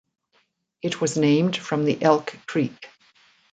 It was named from the Elk Creek.